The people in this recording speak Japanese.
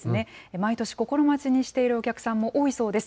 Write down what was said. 毎年心待ちにしているお客さんも多いそうです。